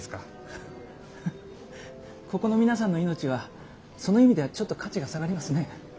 ハハここの皆さんの命はその意味ではちょっと価値が下がりますね。